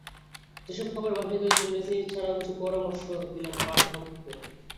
সেসব খাবার বাসায় তৈরির জন্য রেসিপি ছাড়াও কিছু পরমর্শ দিলেন পাঠকদের।